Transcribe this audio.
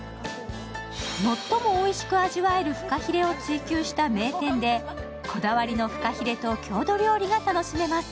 最も美味しく味わえるふかひれを追求した名店でこだわりのふかひれと郷土料理が味わえます。